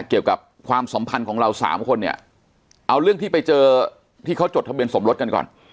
ความสัมพันธ์ของเราสามคนเนี่ยเอาเรื่องที่ไปเจอที่เขาจดทะเบียนสมรสกันก่อน